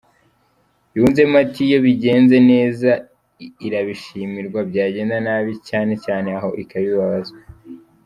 Yunzemo ati “Iyo bigenze neza irabishimirwa, byagenda nabi cyane cyane aho ikabibazwa.